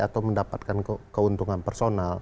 atau mendapatkan keuntungan personal